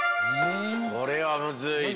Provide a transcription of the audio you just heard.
これはむずいね。